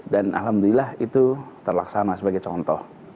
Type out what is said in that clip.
dan alhamdulillah itu terlaksana sebagai contoh